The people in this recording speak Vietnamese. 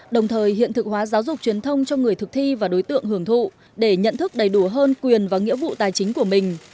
đồng thời hiện thực hóa giáo dục truyền thông cho người thực thi và đối tượng hưởng thụ để nhận thức đầy đủ hơn quyền và nghĩa vụ tài chính của mình